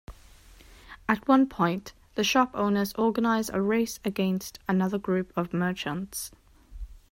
At one point, the shop owners organize a race against another group of merchants.